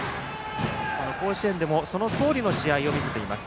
この甲子園でもそのとおりの試合を見せています。